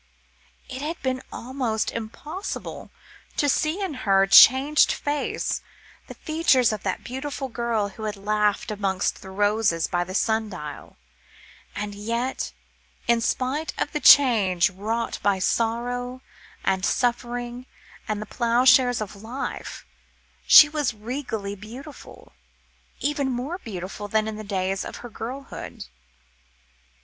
It had been almost impossible to see in her changed face, the features of the beautiful girl who had laughed amongst the roses by the sun dial, and yet, in spite of the change wrought by sorrow, and suffering, and the ploughshares of life, she was regally beautiful, even more beautiful than in the days of her girlhood.